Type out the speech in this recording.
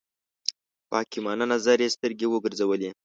په حکیمانه نظر یې سترګې وګرځولې.